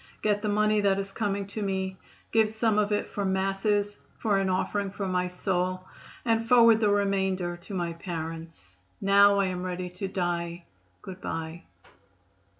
Get the money that is coming to me. Give some of it for Masses for an offering for my soul and forward the remainder to my parents. Now I am ready to die. Good bye."